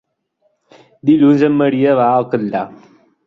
Dilluns en Maria va al Catllar.